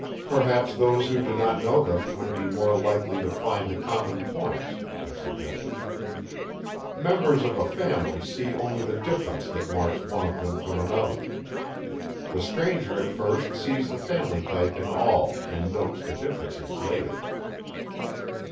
"Perhaps those who do not know them would be more likely to find the common points," I suggested. "Members of a family see only the difference that marks one of them from another. The stranger at first sees the family type in all and notes the differences later."